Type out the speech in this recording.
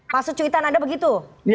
masuk cuitan anda begitu